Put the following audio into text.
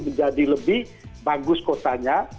menjadi lebih bagus kotanya